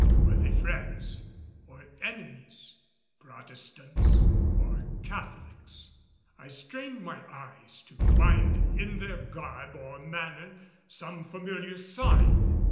Were they friends or enemies Protestants or Catholics? I strained my eyes to find in their garb or manner some familiar sign.